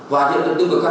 và hiện tượng tư vực khác